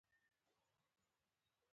تصور وکړئ که یو شخص تېرېدونکی شخص وویني.